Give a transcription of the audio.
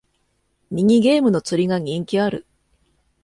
ミニゲームの釣りが人気ある